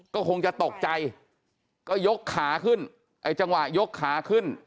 ก็คงจะตกใจก็ยกขาขึ้นไอ้จังหวะยกขาขึ้น